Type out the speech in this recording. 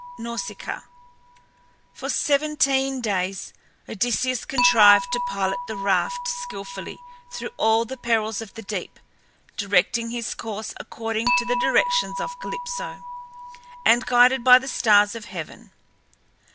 NAUSICAA. For seventeen days Odysseus contrived to pilot the raft skilfully through all the perils of the deep, directing his course according to the directions of Calypso, and guided by the stars of heaven.